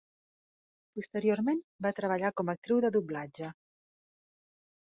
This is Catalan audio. Posteriorment, va treballar com a actriu de doblatge.